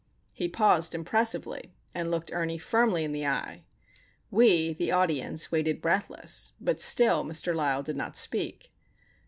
He paused impressively, and looked Ernie firmly in the eye. We, the audience, waited breathless, but still Mr. Lysle did not speak.